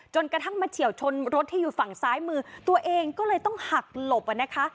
กระทั่งมาเฉียวชนรถที่อยู่ฝั่งซ้ายมือตัวเองก็เลยต้องหักหลบอ่ะนะคะ